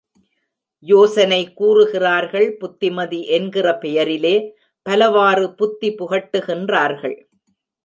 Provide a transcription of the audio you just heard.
யோசனை கூறுகிறார்கள் புத்திமதி என்கிற பெயரிலே, பலவாறு புத்தி புகட்டுகின்றார்கள்.